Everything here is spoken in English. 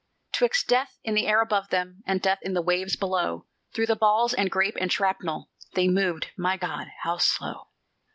'Twixt death in the air above them, And death in the waves below, Through balls and grape and shrapnel They moved my God, how slow!